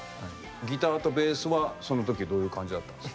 ギターとベースはその時どういう感じだったんですか？